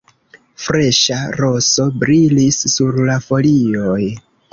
Freŝa roso brilis sur la folioj.